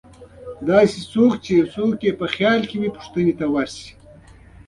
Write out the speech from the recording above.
داسې څوک چې څوک یې په خیال کې وې او پوښتنې ته ورشي.